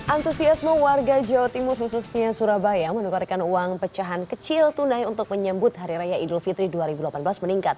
antusiasme warga jawa timur khususnya surabaya menukarkan uang pecahan kecil tunai untuk menyambut hari raya idul fitri dua ribu delapan belas meningkat